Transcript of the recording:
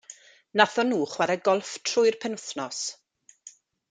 Nathon nhw chwarae golff trwy'r penwythnos.